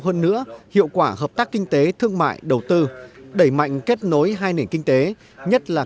hơn nữa hiệu quả hợp tác kinh tế thương mại đầu tư đẩy mạnh kết nối hai nền kinh tế nhất là